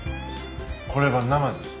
これは生です。